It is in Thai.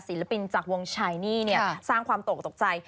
ศิลปินจากวงชายนี่สร้างความตกตกใจ